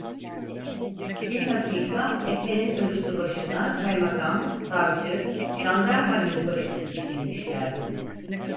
Filhakika efenin ölüsü başına kaymakam, savcı, jandarma yüzbaşısı dikilmişlerdi.